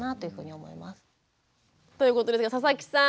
ということですが佐々木さん